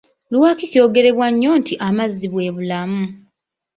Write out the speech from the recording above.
Lwaki kyogerebwa nnyo nti amazzi bwe bulamu?